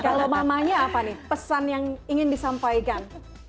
kalau mamanya apa nih pesan yang ingin disampaikan